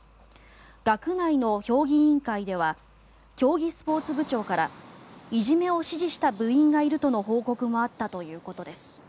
学外の評議委員会では競技スポーツ部長からいじめを指示した部員がいるとの報告もあったということです。